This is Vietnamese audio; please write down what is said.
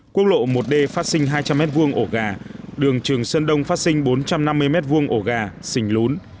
quốc lộ một d phát sinh hai trăm linh mét vuông ổ gà đường trường sơn đông phát sinh bốn trăm năm mươi mét vuông ổ gà xình lún